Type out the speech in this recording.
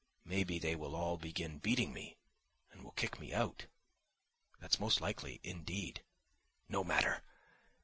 Maybe they will all begin beating me and will kick me out. That's most likely, indeed. No matter!